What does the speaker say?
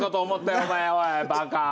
おいバカ。